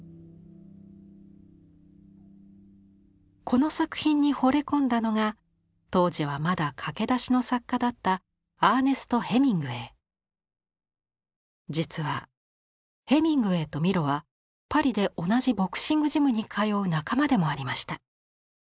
この作品にほれ込んだのが当時はまだ駆け出しの作家だった実はヘミングウェイとミロはパリで同じボクシングジムに通う仲間でもありました。